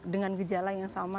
dengan gejala yang sama